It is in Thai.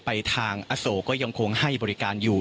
ไปทางอโศก็ยังคงให้บริการอยู่